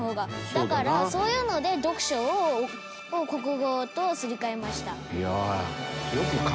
だからそういうので読書を国語とすり替えました。